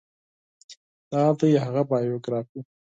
دا دی هغه بایوګرافي